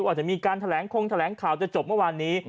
อาจจะมีการแถลงคงแถลงข่าวจะจบเมื่อวานนี้